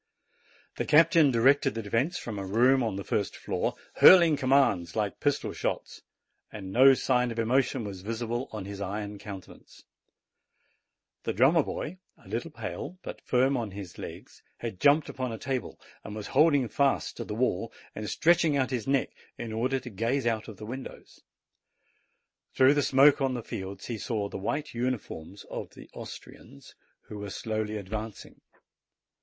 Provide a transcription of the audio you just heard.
The captain directed the defence from a room on the first floor, hurling commands like pistol shots, and no sign of emotion was visible on his iron countenance. The drummer boy, a little pale, but firm on his legs, had jumped upon a table, and was holding fast to the wall and stretching out his neck in order to gaze out of the windows. Through the smoke on the fields he saw the white uniforms of the Austrians, who THE SARDINIAN DRUMMER BOY 99 were slowly advancing.